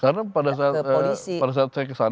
karena pada saat saya kesana